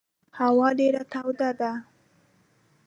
هوا ډېره توده ده.